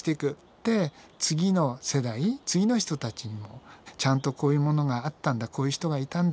で次の世代次の人たちにもちゃんとこういうものがあったんだこういう人がいたんだ